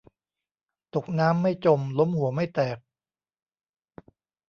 ตกน้ำไม่จม ล้มหัวไม่แตก